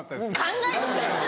考えとけよ！